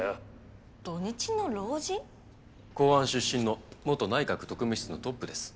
公安出身の元内閣特務室のトップです。